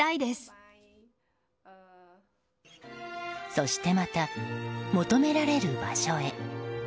そしてまた、求められる場所へ。